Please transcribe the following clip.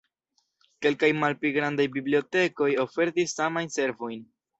Kelkaj malpli grandaj bibliotekoj ofertis samajn servojn.